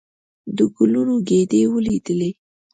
د ګلونو ګېدۍ ولېدلې.